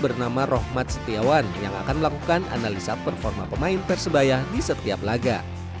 bernama rohmat setiawan yang akan melakukan analisa performa pemain persebaya di setiap laga